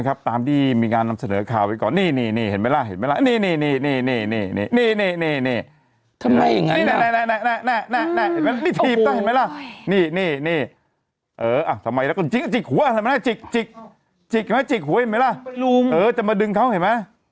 คนแบบมีบากคิ้วขาดเช่าชู้ใช่ไหมครับ